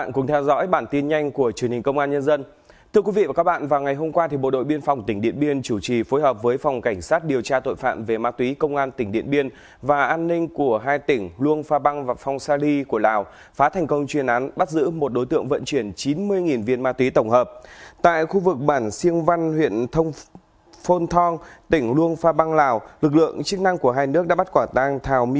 chào mừng quý vị đến với bản tin nhanh của truyền hình công an nhân dân